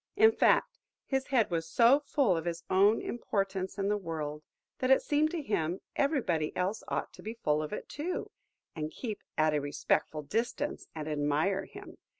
In fact, his head was so full of his own importance in the world, that it seemed to him, everybody else ought to be full of it too, and keep at a respectful distance, and admire him.